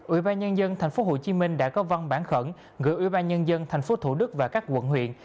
ủy ban nhân dân tp hcm đã có văn bản khẩn gửi ủy ban nhân dân tp thủ đức và các quận huyện